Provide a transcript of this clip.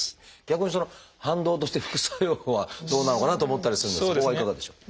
逆にその反動として副作用はどうなのかなと思ったりするんですがそこはいかがでしょう？